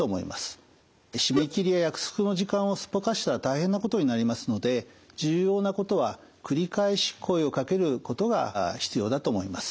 締め切りや約束の時間をすっぽかしたら大変なことになりますので重要なことは繰り返し声をかけることが必要だと思います。